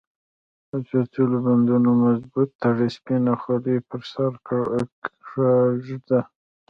د څپلیو بندونه مضبوط تړي، سپینه خولې پر سر کږه ږدي.